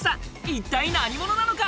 一体何者なのか。